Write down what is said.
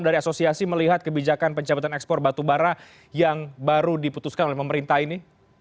dari asosiasi melihat kebijakan pencabutan ekspor batubara yang baru diputuskan oleh pemerintah ini